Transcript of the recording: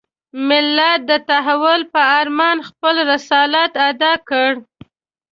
ملت د تحول په ارمان خپل رسالت اداء کړ.